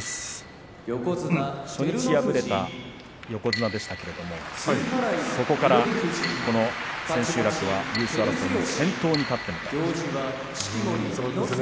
初日敗れた横綱でしたがそこからこの千秋楽は優勝争いの先頭に立っています。